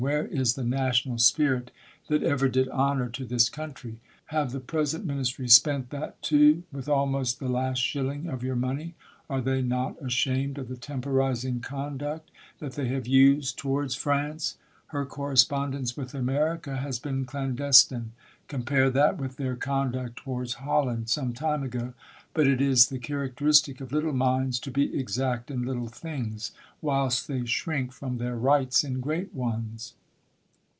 Where is the national spirit that ever did honor to this country? Have the present ministry spent that too, with almost the last shilling of your money ? Are they not ashamed of the temporizing conduct they have used towards France ? Her correspondence with America has been clandestine. Compare that with their conduct towards Holland, some time ago ; but it is the charac teristic of little minds to be exact in little things, whilst they shrink from their rights in great ones.